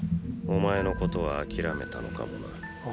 ⁉お前のことは諦めたのかもな。？